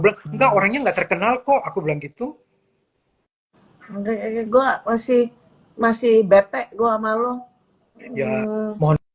nggak orangnya enggak terkenal kok aku bilang gitu enggak gue masih masih bete gua malu ya